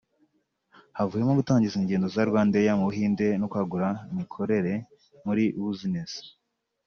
havuyemo gutangiza ingendo za RwandAir mu Buhinde no kwagura imikorere muri buzinesi